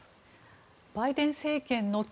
バイデン政権の対